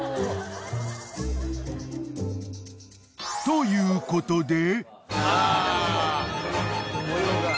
［ということで］